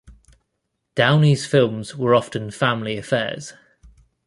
Downey's films were often family affairs.